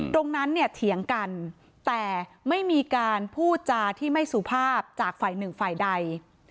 ตรงนั้นเนี่ยเถียงกันแต่ไม่มีการพูดจาที่ไม่สุภาพจากฝ่ายหนึ่งฝ่ายใด